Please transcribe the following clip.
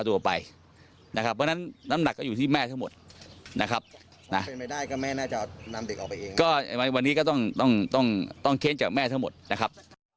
วันนี้ก็ต้องต้องต้องเข้นจากแม่ทั้งหมดนะครับ